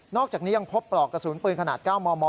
อกจากนี้ยังพบปลอกกระสุนปืนขนาด๙มม